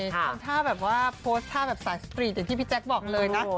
ทำท่าแบบว่าโพสต์ท่าแบบสายสตรีทอย่างที่พี่แจ๊คบอกเลยนะ